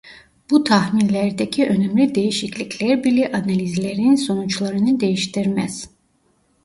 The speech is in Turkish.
Bu tahminlerdeki önemli değişiklikler bile analizlerin sonuçlarını değiştirmez.